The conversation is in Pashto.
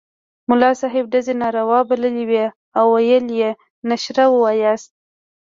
ملا صاحب ډزې ناروا بللې وې او ویل یې نشره ووایاست.